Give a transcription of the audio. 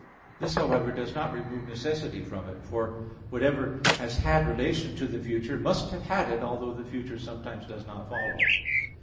This however does not remove necessity from it; for whatever has had relation to the future, must have had it, although the future sometimes does not follow.